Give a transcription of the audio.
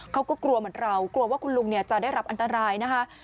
เขาก็กลัวเหมือนเรากลัวว่าคุณลุงจะได้รับอันตรายนะคะ